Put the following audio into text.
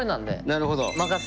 なるほど。